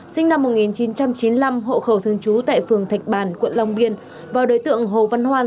sinh năm một nghìn chín trăm chín mươi năm hộ khẩu thương chú tại phường thạch bàn quận long biên và đối tượng hồ văn hoan